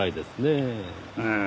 ええ。